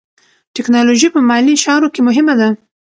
ټیکنالوژي په مالي چارو کې مهمه ده.